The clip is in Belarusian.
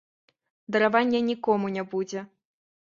Даравання нікому не будзе.